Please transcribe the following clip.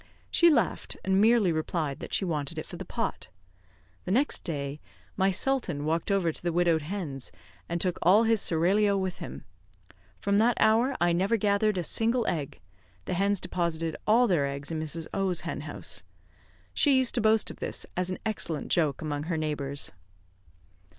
She laughed, and merely replied that she wanted it for the pot. The next day my sultan walked over to the widowed hens, and took all his seraglio with him. From that hour I never gathered a single egg; the hens deposited all their eggs in Mrs. O 's hen house. She used to boast of this as an excellent joke among her neighbours.